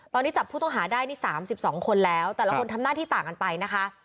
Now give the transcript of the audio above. ตอนนี้จับผู้ต้องหาได้นี่๓๒คนแล้วแต่ละคนทำหน้าที่ต่างกันไปนะคะ